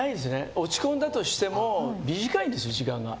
落ち込んだとしても短いんですよ、時間が。